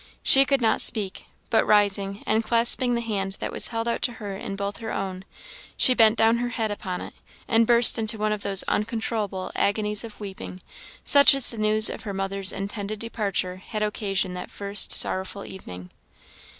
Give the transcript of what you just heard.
She could not speak, but rising, and clasping the hand that was held out to her in both her own, she bent down her head upon it, and burst into one of those uncontrollable agonies of weeping, such as the news of her mother's intended departure had occasioned that first sorrowful evening.